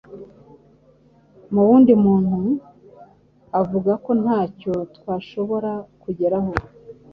mu wundi muntu avuga ko nta cyo twashobora kugeraho.